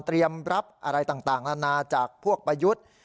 รับอะไรต่างนานาจากพวกประยุทธ์